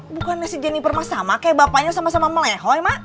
bukannya si jennifer sama kayak bapaknya sama sama melehoi mak